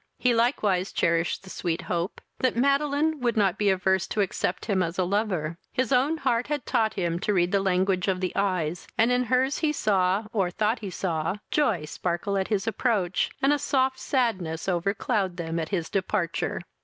He likewise cherished the sweet hope that Madeline would not be averse to accept him as a lover. His own heart had taught him to read the language of the eyes, and in her's he saw, or thought he saw, joy sparkle at his approach, and a soft sadness overcloud them at his departure.